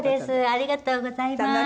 ありがとうございます。